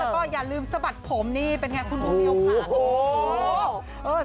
แล้วอย่าลืมสบัดผมนี่เป็นไงคุณภูมิยบหา